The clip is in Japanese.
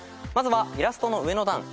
まずはイラストの上の段。